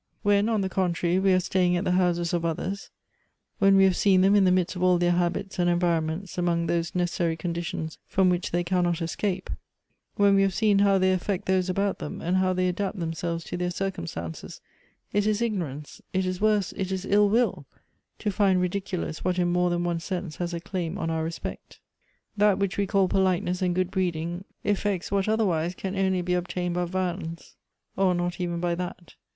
" When, on the contrary, we are staying at the houses of others, when we have seen them in the midst of all their habits and environments among those necessary conditions from which they cannot escape, when we have seen how they affect those about them, and how they adapt themselves to their circumstances, it is ignorance, it is worse, it is ill will, to find ridiculous what in more than one sense has a claim on our respect. "That which we call politeness and good breeding effects what otherwise can only be obtained by violence, or not even by that.